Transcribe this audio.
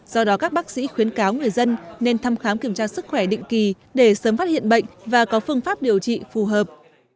do đó các bác sĩ khuyến cáo người dân nên thăm khám kiểm tra sức khỏe định kỳ để sớm phát hiện bệnh và có phương pháp điều trị phù hợp